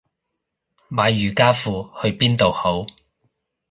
買瑜伽褲去邊度好